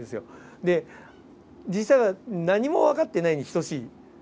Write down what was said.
で実際は何も分かっていないに等しい。